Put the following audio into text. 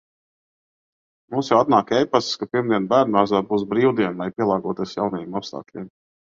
Mums jau atnāk e-pasts, ka pirmdien bērnudārzā būs brīvdiena, lai pielāgotos jaunajiem apstākļiem.